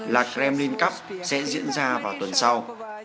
la creme linh cup sẽ diễn ra vào tuần sau